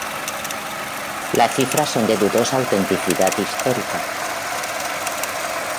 Las cifras son de dudosa autenticidad histórica.